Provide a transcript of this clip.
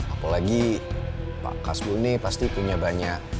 apalagi pak kasbul ini pasti punya banyak